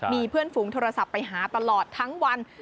มีเพื่อนฝูงโทรศัพท์ไปหาตลอดทั้งวัน